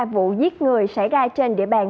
vụ giết người xảy ra trên địa bàn